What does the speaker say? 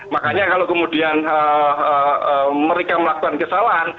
makanya kalau kemudian mereka melakukan kesalahan